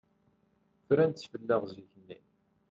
Fran-tt fell-aɣ zik-nni.